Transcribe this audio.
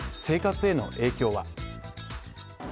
生活への影響は。